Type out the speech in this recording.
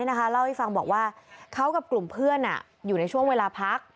เล่าให้ฟังบอกว่าเขากับกลุ่มเพื่อนอยู่ในช่วงเวลาพัก